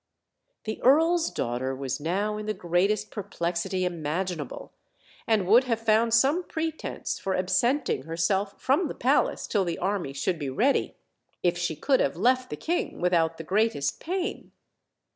The earl's daughter was now in the greatest perplexity imaginable, and would have found some pretense for ab 88 OLD, OLD FAIRY TALES. senting herself from the palace till the army should be ready, if she could have left the king without the great est pain.